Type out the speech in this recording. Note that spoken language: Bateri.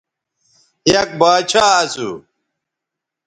یک باچھا اسو